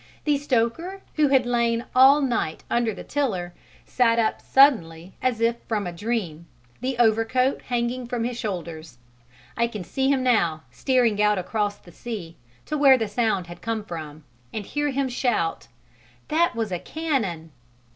The stoker who had lain all night under the tiller sat up suddenly as if from a dream, the overcoat hanging from his shoulders. I can see him now, staring out across the sea, to where the sound had come from, and hear him shout, "That was a cannon!"